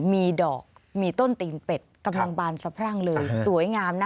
มีดอกมีต้นตีนเป็ดกำลังบานสะพรั่งเลยสวยงามนะ